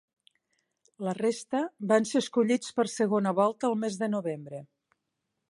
La resta, van ser escollits per segona volta el mes de novembre.